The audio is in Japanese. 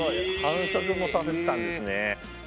繁殖もさせてたんですね。